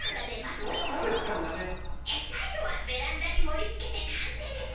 最後はベランダに盛りつけて完成です！